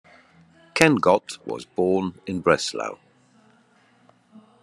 Kenngott was born in Breslau.